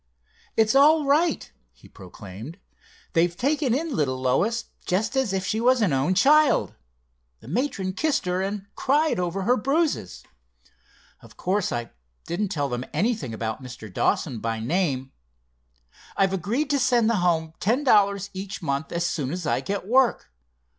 "It's all right," he proclaimed. "They've taken in little Lois, just as if she was an own child. The matron kissed her, and cried over her bruises. Of course I didn't tell them anything about Mr. Dawson by name. I've agreed to send the home ten dollars each month as soon as I get work.